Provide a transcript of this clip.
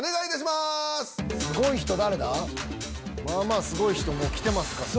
まぁまぁすごい人もう来てますから。